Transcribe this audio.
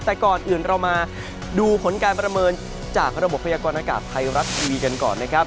แต่ก่อนอื่นเรามาดูผลการประเมินจากระบบพยากรณากาศไทยรัฐทีวีกันก่อนนะครับ